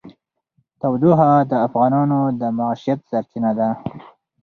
تودوخه د افغانانو د معیشت سرچینه ده.